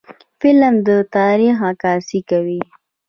فلم د تاریخ عکاسي کوي